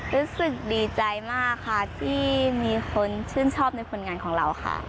รู้สึกดีใจมากค่ะที่มีคนชื่นชอบในผลงานของเราค่ะ